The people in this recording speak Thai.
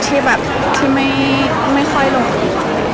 ที่ไม่ค่อยลงอีก